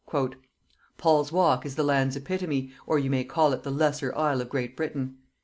"Paul's walk is the land's epitome, or you may call it the lesser isle of Great Britain.